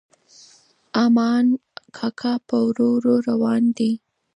ارمان کاکا په ورو ورو روان دی.